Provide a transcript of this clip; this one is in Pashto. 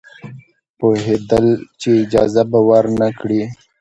پوهېدل چې اجازه به ورنه کړي.